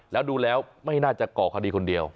แล้วดูแล้วไม่น่าจะก่อคดีคนเดียว